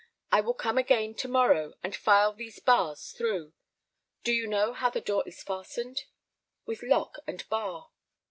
I will come again to morrow and file these bars through. Do you know how the door is fastened?" "With lock and bar."